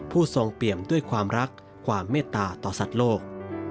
ทรงเปี่ยมด้วยความรักความเมตตาต่อสัตว์โลก